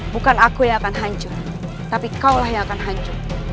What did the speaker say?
bukan aku yang akan hancur tapi kaulah yang akan hancur